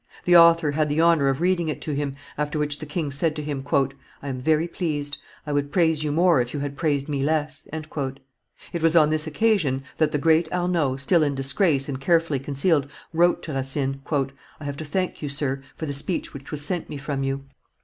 The author had the honor of reading it to him, after which the king said to him, "I am very pleased; I would praise you more if you had praised me less." It was on this occasion that the great Arnauld, still in disgrace and carefully concealed, wrote to Racine: "I have to thank you, sir, for the speech which was sent me from you.